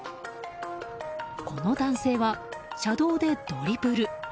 この男性は、車道でドリブル。